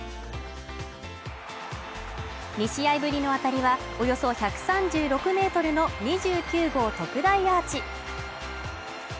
２試合ぶりの当たりはおよそ１３６ｍの２９号特大アーチ。